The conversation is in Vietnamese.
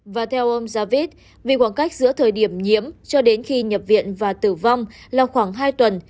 và theo ông javid vì khoảng cách giữa thời điểm nhiễm cho đến khi nhập viện và tử vong là khoảng hai tuần